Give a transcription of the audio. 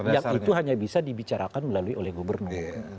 yang itu hanya bisa dibicarakan melalui oleh gubernur